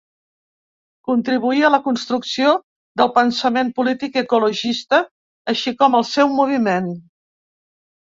Contribuí a la construcció del pensament polític ecologista així com al seu moviment.